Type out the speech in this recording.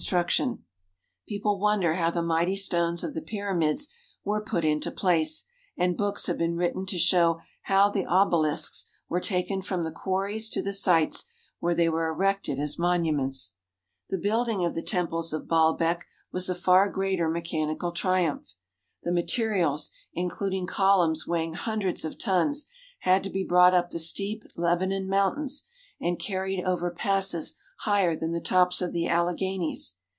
This grove, far up among the snows, is protected by a wall and contains four hundred very old trees BAALBEK THE WONDERFUL People wonder how the mighty stones of the Pyramids were put into place, and books have been written to show how the obelisks were taken from the quarries to the sites where they were erected as monuments. The building of the temples of Baalbek was a far greater mechanical triumph. The materials, including columns weighing hundreds of tons, had to be brought up the steep Leba non Mountains and carried over passes higher than the tops of the Alleghanies.